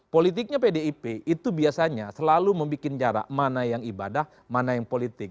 politiknya pdip itu biasanya selalu membuat jarak mana yang ibadah mana yang politik